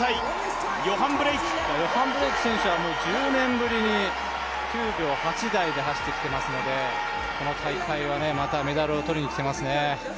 ヨハン・ブレイク選手は１０年ぶりに９秒８台で走ってきてますのでこの大会はまたメダルを取りに来ていますね。